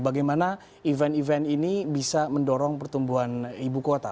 bagaimana event event ini bisa mendorong pertumbuhan ibu kota